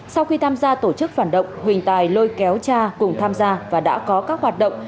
sau khi tham gia tổ chức phản động huỳnh tài lôi kéo cha cùng tham gia và đã có các hoạt động